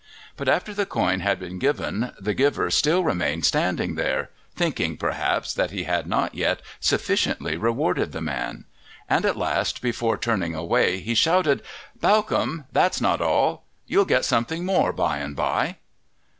But after the coin had been given the giver still remained standing there, thinking, perhaps, that he had not yet sufficiently rewarded the man; and at last, before turning away, he shouted, "Bawcombe, that's not all. You'll get something more by and by."